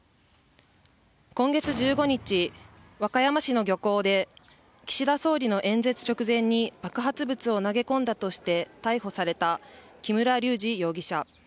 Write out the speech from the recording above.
今月１５日、和歌山市の漁港で岸田総理の演説直前に爆発物を投げ込んだとして逮捕された木村隆二容疑者